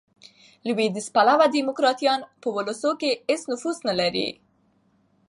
لوېدیځ پلوه ډیموکراټان، په اولسو کښي هیڅ نفوذ نه لري.